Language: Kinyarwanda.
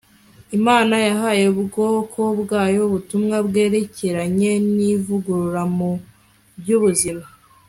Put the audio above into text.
imana yahaye ubwoko bwayo ubutumwa bwerekeranye n'ivugurura mu by'ubuzima